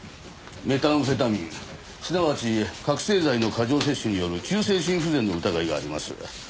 メタンフェタミンすなわち覚醒剤の過剰摂取による急性心不全の疑いがあります。